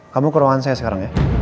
kamu ke ruangan saya sekarang ya